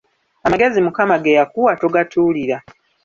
Amagezi Mukama ge yakuwa togatuulira.